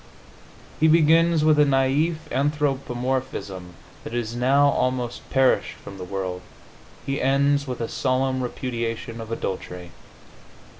He begins with a naif anthropomorphism that is now almost perished from the world; he ends with a solemn repudiation of adultery....